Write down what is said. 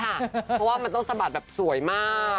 เพราะว่ามันต้องสะบัดแบบสวยมาก